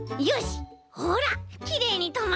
ほらきれいにとまったよ。